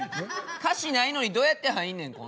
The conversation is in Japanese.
歌詞ないのにどうやって入んねんこんなん。